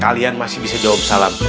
kalian masih bisa jawab salam